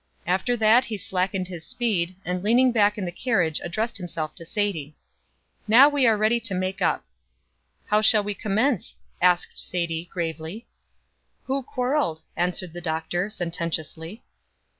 After that he slackened his speed, and leaning back in the carriage addressed himself to Sadie: "Now we are ready to make up." "How shall we commence?" asked Sadie, gravely. "Who quarreled?" answered the Doctor, sententiously.